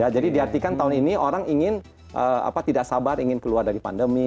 jadi diartikan tahun ini orang ingin tidak sabar ingin keluar dari pandemi